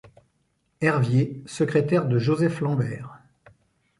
Hervier', secrétaire de Joseph Lambert.